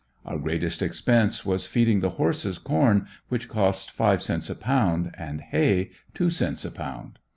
Our greatest expense was feeding the horses corn which cost five cents a pound and hay, two cents a pound.